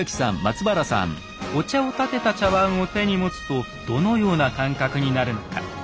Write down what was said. お茶をたてた茶碗を手に持つとどのような感覚になるのか。